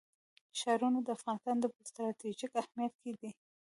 ښارونه د افغانستان په ستراتیژیک اهمیت کې دي.